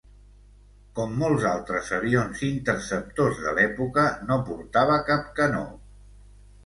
Com molts altres avions interceptors de l'època, no portava cap canó.